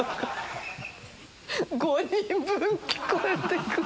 ５人分聞こえて来る！